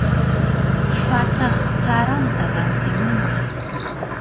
Phataq saratan rantimunki.